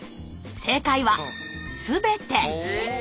正解は全て。